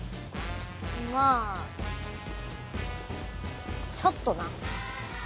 まぁちょっとな。